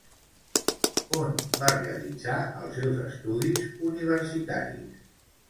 On va realitzar els seus estudis universitaris?